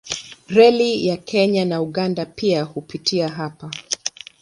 Reli ya Kenya na Uganda pia hupitia hapa.